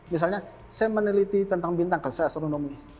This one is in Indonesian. misalnya saya meneliti tentang bintang kalau saya astronomi